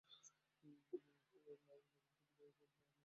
রঘুপতি বিদায় লইলেন।